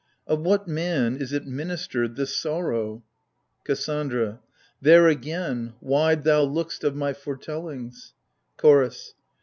Of what man is it ministered, this sorrow ? KASSANDRA. There again, wide thou look'st of my foretellings CHORDS.